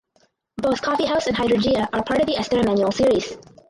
Both "Coffee House" and "Hydrangea" are part of the Esther Emmanuel series.